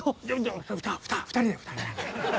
２人で２人で。